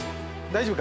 大丈夫？